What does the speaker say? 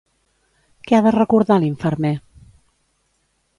Què ha de recordar l'infermer?